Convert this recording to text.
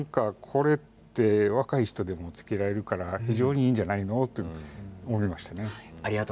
これは若い人でもつけられるから非常にいいんじゃないの？と言いました。